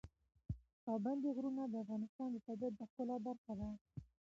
پابندی غرونه د افغانستان د طبیعت د ښکلا برخه ده.